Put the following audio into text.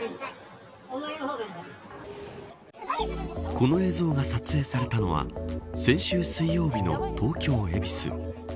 この映像が撮影されたのは先週水曜日の東京、恵比寿。